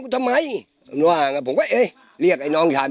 ส่วนหน้ามีวิเวย์ทำร้ายร่างกายบ้านมัยครับ